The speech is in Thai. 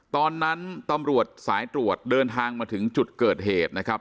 ตอนนั้นตำรวจสายตรวจเดินทางมาถึงจุดเกิดเหตุนะครับ